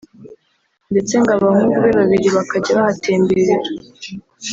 ndetse ngo abahungu be babiri bakajya bahatemberera